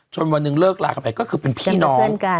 จนวันหนึ่งเลิกลากลากลายก็คือเป็นพี่น้อง